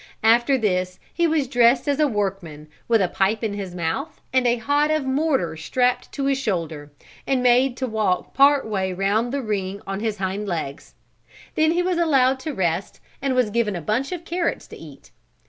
After this he was dressed as a workman, with a pipe in his mouth and a hod of mortar strapped to his shoulder, and made to walk part way round the ring on his hind legs. Then he was allowed to rest and was given a bunch of carrots to eat.